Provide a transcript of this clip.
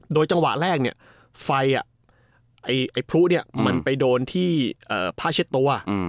โดยจังหวะแรกเนี่ยไฟพลุเนี่ยมันไปโดนที่ผ้าเช็ดตัว